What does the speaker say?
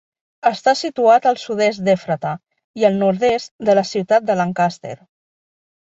Està situat al sud-est d'Efrata i al nord-est de la ciutat de Lancaster.